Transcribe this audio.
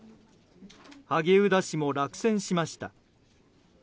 萩生田氏も落選しました。